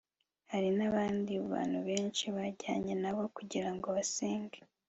Hari n abandi bantu benshi bajyanye na bo kugira ngo basenge